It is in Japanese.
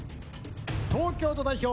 東京都代表